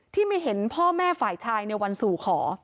ไม่เห็นพ่อแม่ฝ่ายชายในวันสู่ขอ